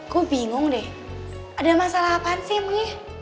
gue bingung deh ada masalah apaan sih mwih